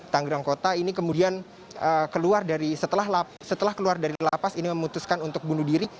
tanggerang kota ini kemudian keluar dari setelah keluar dari lapas ini memutuskan untuk bunuh diri